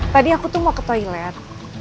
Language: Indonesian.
tadi aku tuh mau ke toilet